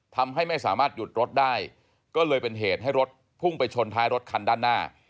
ทำให้ไม่สามารถหยุดรถได้ก็เลยเป็นเหตุให้รถพุ่งไปชนท้ายรถคันด้านหน้า